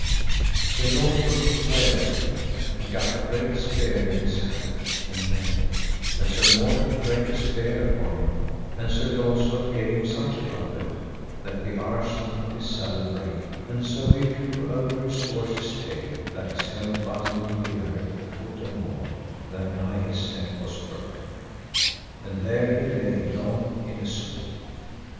Sir Launcelot was ware of him, and gat a great spear in his hand, and met him, and Sir Mordred brake a spear upon him, and Sir Launcelot gave him such a buffet that the arson of his saddle brake, and so he flew over his horse's tail, that his helm butted into the earth a foot and more, that nigh his neck was broken, and there he lay long in a swoon.